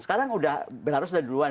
sekarang udah harus udah duluan